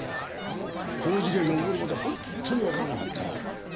この事件が起こるまで本当にわからなかった。